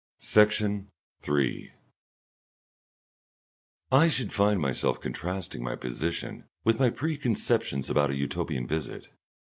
Section 3 I should find myself contrasting my position with my preconceptions about a Utopian visit.